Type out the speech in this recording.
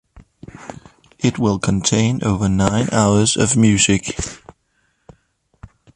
It will contain over nine hours of music.